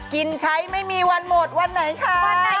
กินใช้ไม่มีวันหมดวันไหนค่ะ